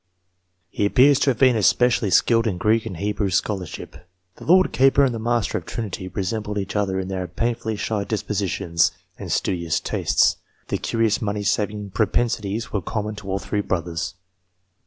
He appears to have been especially skilled in Greek and Hebrew scholarship. The Lord Keeper and the Master of Trinity resembled each other in their painfully shy dispositions and studious tastes. The curious money saving propensities were common to all three brothers.